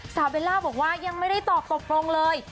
สาวเวล่าบอกว่ายังไม่ได้ตอบตกตรงเลย